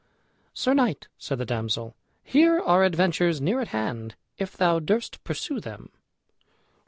"Sir knight," said the damsel, "here are adventures near at hand, if thou durst pursue them."